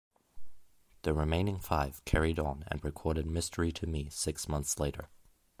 The remaining five carried on and recorded "Mystery to Me" six months later.